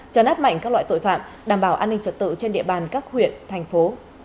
trấn áp mạnh các loại tội phạm đảm bảo an ninh trật tự trên địa bàn các huyện thành phố